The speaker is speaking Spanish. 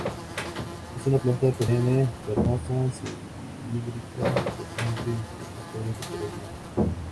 Es una planta perenne carnosa, cilíndrica-colgante y con las flores de color blanco.